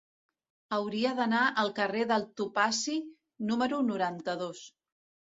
Hauria d'anar al carrer del Topazi número noranta-dos.